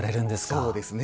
そうですね。